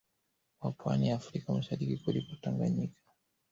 wa Pwani ya Afrika Mashariki kuliko Tanganyika